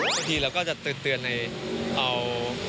บางทีเราก็จะเตือนในเอา